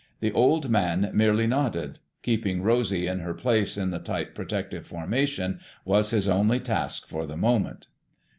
The Old Man merely nodded. Keeping Rosy in her place in the tight protective formation was his only task for the moment.